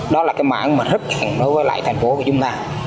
đó là mảng rất chẳng đối với thành phố của chúng ta